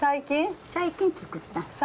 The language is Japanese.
最近作った。